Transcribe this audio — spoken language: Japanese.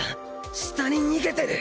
下に逃げてる！